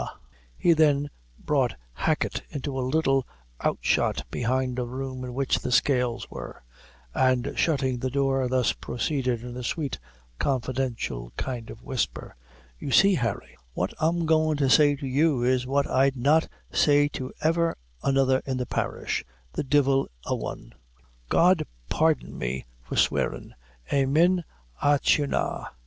_" He then brought Hacket into a little out shot behind the room in which the scales were, and shutting the door, thus proceeded in a sweet, confidential kind of whisper "You see, Harry, what I'm goin' to say to you is what I'd not say to e'er another in the parish, the divil a one God pardon me for swearin' _amin a Chiernah!